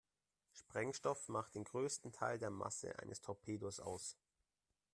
Sprengstoff macht den größten Teil der Masse eines Torpedos aus.